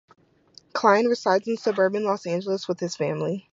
Klein resides in suburban Los Angeles with his family.